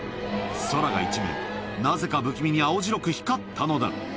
空が一面、なぜか不気味に青白く光ったのだ。